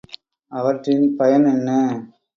அவற்றின் பயன் என்ன?